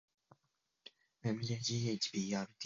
ｍｊｇｈｂｒｔ